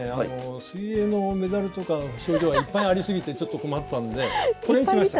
水泳のメダルとか賞状はいっぱいありすぎてちょっと困ったんでこれにしました。